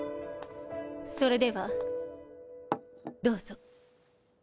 それではどうぞ。